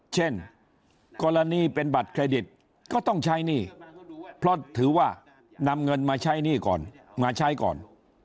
เช่นกรณีเป็นบัตรเครดิตก็ต้องใช้หนี้เพราะถือว่านำเงินมาใช้หนี้ก่อนมาใช้ก่อน